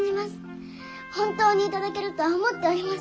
本当に頂けるとは思っておりませんでした！